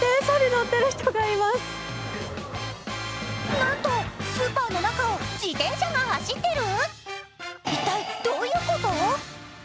なんと、スーパーの中を自転車が走ってる？